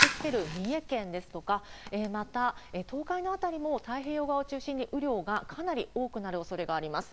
三重県ですとか、また、東海の辺りも太平洋側を中心に、雨量がかなり多くなるおそれがあります。